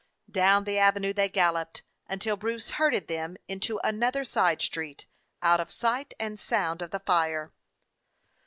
Down the avenue they galloped until Bruce herded them into another side street, out of sight and sound of the fire.